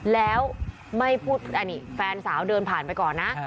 แล้วไม่พูดอันนี้แฟนสาวเดินผ่านไปก่อนนะ